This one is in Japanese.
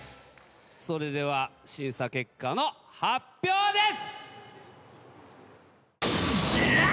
それでは審査結果の発表です！